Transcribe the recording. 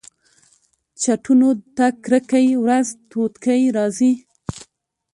چتونو ته کرۍ ورځ توتکۍ راځي